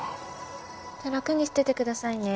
楽にしててくださいね。